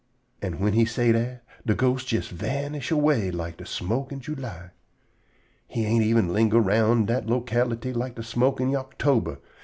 An' whin he say dat de ghost jes vanish away like de smoke in July. He ain't even linger round dat locality like de smoke in Yoctober.